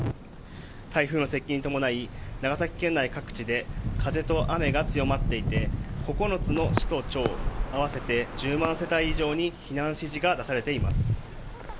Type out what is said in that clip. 台風の接近に伴い長崎県各地で、風と雨が強まっていて９つの市と町合わせて１０万世帯以上に避難指示が出されています。